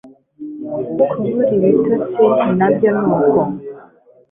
Kubura ibitotsi nabyo nuko